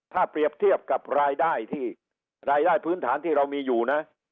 ถ้าเปรียบเทียบกับรายได้ที่รายได้พื้นฐานที่เรามีอยู่นะ